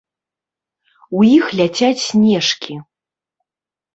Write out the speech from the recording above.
У іх ляцяць снежкі.